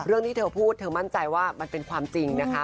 ต้องมีทางออกและมีหวังให้ที่กลายเป็นทางที่ดีค่ะ